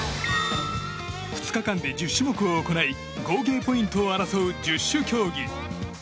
２日間で１０種目を行い合計ポイントを争う十種競技。